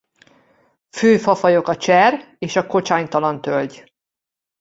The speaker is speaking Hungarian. Fő fafajok a cser- és a kocsánytalan tölgy.